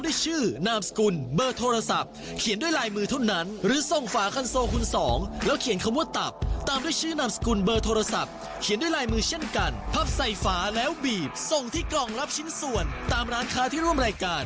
แต่ถ้าเกิดว่ายังจำไม่ได้ยังท่องไม่ขึ้นใจไปฟังกฎิกากันดีกว่าค่ะ